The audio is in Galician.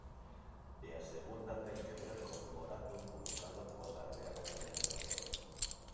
E a segunda ten que ver co memorándum publicado pola Real Academia Galega.